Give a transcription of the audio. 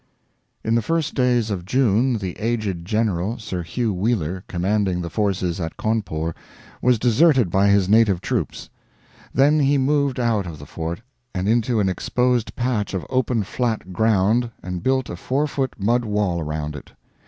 In the first days of June the aged general, Sir Hugh Wheeler commanding the forces at Cawnpore, was deserted by his native troops; then he moved out of the fort and into an exposed patch of open flat ground and built a four foot mud wall around it.